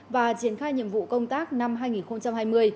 và triển khai nhiệm vụ công tác năm hai nghìn hai mươi